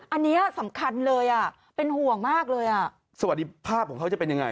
อันนี้สำคัญเลยอ่ะเป็นห่วงมากเลยอ่ะสวัสดีภาพของเขาจะเป็นยังไง